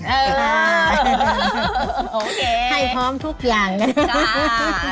เอาล่ะโอเคให้พร้อมทุกอย่างเลยค่ะ